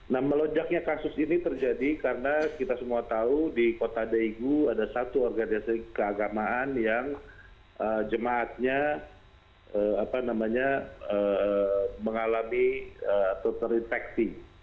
nah melonjaknya kasus ini terjadi karena kita semua tahu di kota daegu ada satu organisasi keagamaan yang jemaatnya mengalami atau terinfeksi